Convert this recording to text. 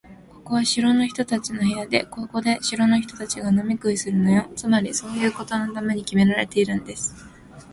ここは城の人たちの部屋で、ここで城の人たちが飲み食いするのよ。つまり、そういうことのためにきめられているんです。